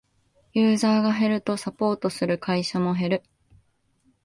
ユーザーが減るとサポートする会社も減る